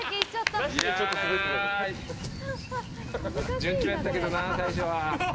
順調やったけどな、最初は。